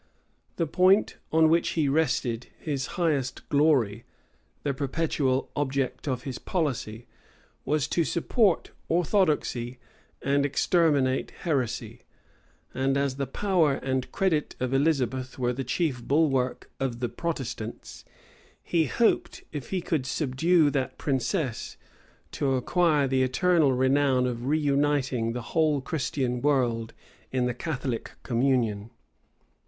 The point on which he rested, his highest glory, the perpetual object of his policy, was to support orthodoxy and exterminate heresy; and as the power and credit of Elizabeth were the chief bulwark of the Protestants, he hoped, if he could subdue that princess, to acquire the eternal renown of reuniting the whole Christian world in the Catholic communion.